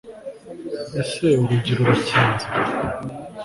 ese urugi rurakinze